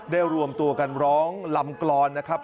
รวมตัวกันร้องลำกรอนนะครับ